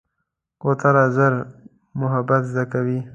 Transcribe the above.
کوتره ژر محبت زده کوي.